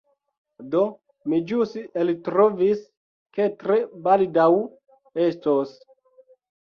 Do mi ĵus eltrovis ke tre baldaŭ estos